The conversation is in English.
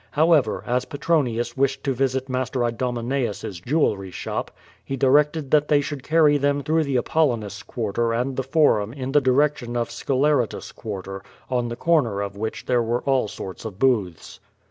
However, as Petronius wished to visit Master Idomeneus^s jewelry shop, he directed that they should carry them through the ApoUinis Quarter and the Forum in the direction of Sceleratus Quarter, on the corner of which there were all sorts of booths.